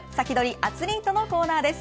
アツリートのコーナーです。